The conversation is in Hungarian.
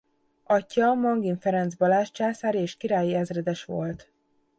Atyja Mangin Ferenc Balázs császári és királyi ezredes volt.